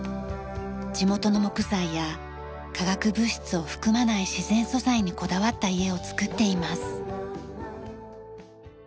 地元の木材や化学物質を含まない自然素材にこだわった家を造っています。